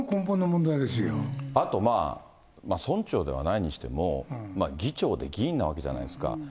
あとまあ、村長ではないにしても、議長で議員なわけじゃないですか。